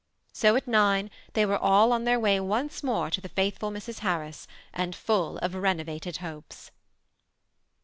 So at nine they were all on their way once more to the faithful Mrs Harris, and full of renovated hopes.